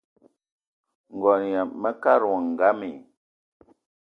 Ngo yama mekad wo ngam i?